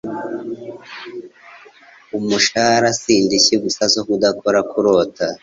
Umushahara nindishyi gusa zo kudakora kurota.